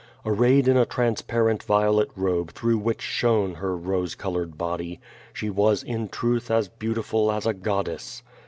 Arrayed in a transparent violet robe through which shone her rose colored body she was in truth as beautiful as a goddess.